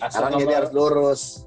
sekarang jadi harus lurus